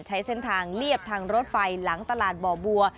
ใช้เส้นทางเรียบทางรถไฟหลังตลาดบ่อบัว